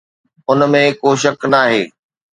ان ۾ ڪو شڪ ناهي.